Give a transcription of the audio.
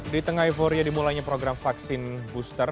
di tengah euforia dimulainya program vaksin booster